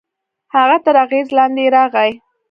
هغه تر اغېز لاندې يې راغی.